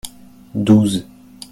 douze.